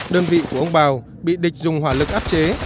đơn vị của ông bào bị địch dùng hỏa lực áp chế